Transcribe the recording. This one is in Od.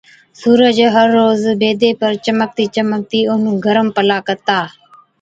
سُورج هر روز بيدي پر چمڪتِي چمڪتِي اونهُون گرم پلا ڪتا۔